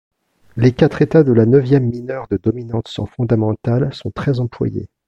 Les quatre états de la neuvième mineure de dominante sans fondamentale sont très employés.